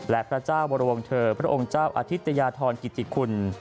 และพระเจ้าวรวงเธอพระองค์เจ้าอธิตยาธรกิติคุณ